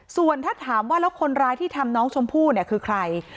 ส่วนถ้าถามว่าแล้วคนร้ายที่ทำน้องชมพู่เนี่ยคือใคร